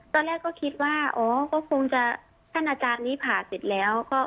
ตอนแรกก็คิดว่าอ๋อก็คงจะท่านอาจารย์นี้ผ่าเสร็จแล้วก็